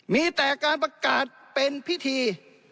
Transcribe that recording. มีแต่การประกาศเป็นพิธี